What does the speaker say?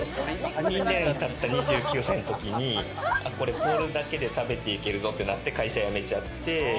２年たった２９歳のときにこれ、ポールだけで食べていけるぞってなって会社辞めちゃって。